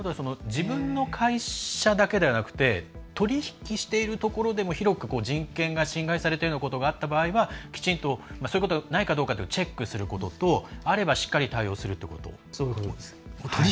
自分の会社だけではなくて取り引きしているところでも広く人権が侵害されているようなことがあった場合はきちんとそういうことがないかチェックすることとあればしっかり対応すること。